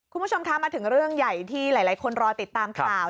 คุณผู้ชมคะมาถึงเรื่องใหญ่ที่หลายคนรอติดตามข่าว